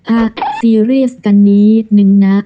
อ่ะซีเรียสกันนิดนึงนะ